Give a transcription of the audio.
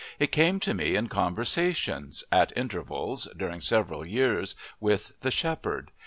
It came to me in conversations, at intervals, during several years, with the shepherd.